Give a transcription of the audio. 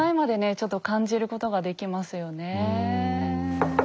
ちょっと感じることができますよねえ。